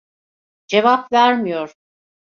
Cevap vermiyor.